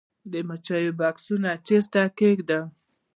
د مچیو بکسونه چیرته کیږدم؟